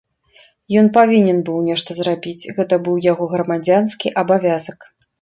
Ён павінен быў нешта зрабіць, гэта быў яго грамадзянскі абавязак.